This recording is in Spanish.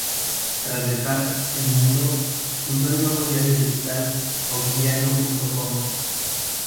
Tras dejar "El Mundo", fundó el nuevo diario digital "Okdiario.com".